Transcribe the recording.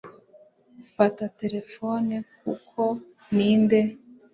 fata terefone kuko ninde